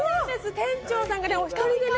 店長さんがねお一人でね